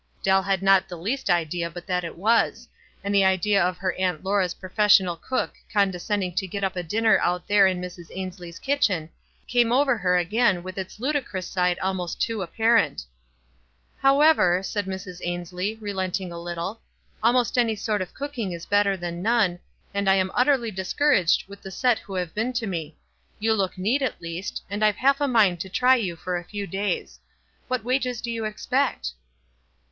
Dell had not the least idea but that it was ; and the idea of her Aunt Laura's professional cook condescending to get up a dinner out there in Mrs. Ainslie's kitchen came over her again with its ludicrous side almost too appar ent. " However," said Mrs. Ainslie, relenting a little, " almost any sort of cooking is better than none, and I am utterly discouraged with the set who have been to me. You look neat, at least, and I've half a mind to try 3 r ou for a few days. "What w r nges do you expect?"